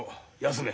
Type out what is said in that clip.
休め。